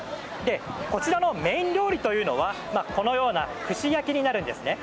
こちらのメイン料理はこのような串焼きになるんですね。